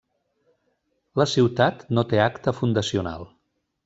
La ciutat no té acta fundacional.